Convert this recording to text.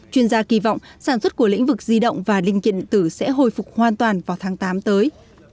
chuyên gia kỳ vọng sản xuất của lĩnh vực di động và linh kiện điện tử sẽ hồi phục hoàn toàn vào tháng tám tới